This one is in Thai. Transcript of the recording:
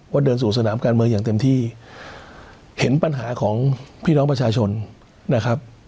เดินสู่สนามการเมืองอย่างเต็มที่เห็นปัญหาของพี่น้องประชาชนนะครับ